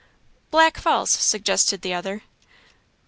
"Black Falls," suggested the other.